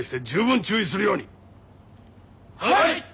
はい！